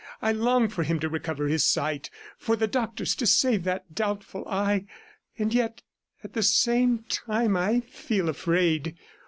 I long for him to recover his sight, for the doctors to save that doubtful eye and yet at the same time, I feel afraid.